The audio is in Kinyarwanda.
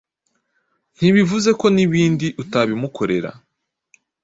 ntibivuze ko n’ibindi utabimukorera